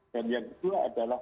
dan yang kedua adalah